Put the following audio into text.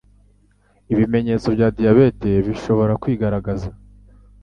Ibimenyetso bya diabete bishobora kwigargaza